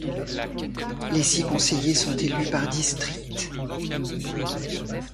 Les six conseillers sont élus par districts.